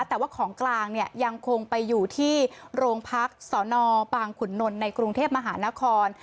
แต่ว่าของกลางเนี่ยยังคงไปอยู่ที่โรงพักสนปางขุนนลในกรุงเทพมหานคร